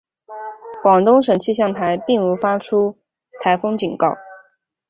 广东省气象台并无发出台风警告。